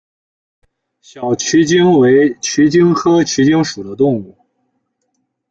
小鼩鼱为鼩鼱科鼩鼱属的动物。